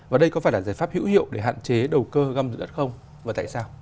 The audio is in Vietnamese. và đây có phải là giải pháp hữu hiệu để hạn chế đầu cơ căm giữ đất không và tại sao